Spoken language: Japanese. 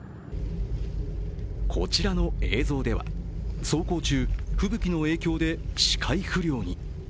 こちらの映像では、走行中、吹雪の影響で視界不良に。